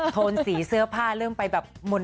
โทนสีเสื้อผ้าเริ่มไปแบบมนต์